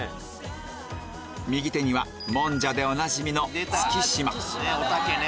右手にはもんじゃでおなじみのおたけね！